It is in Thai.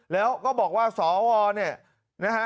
แล้วก็บอกว่าสอเนี่ย